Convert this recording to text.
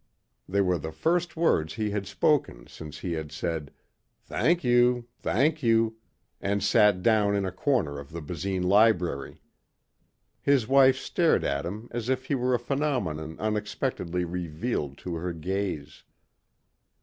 They were the first words he had spoken since he had said, "Thank you ... thank you...." and sat down in a corner of the Basine library. His wife stared at him as if he were a phenomenon unexpectedly revealed to her gaze.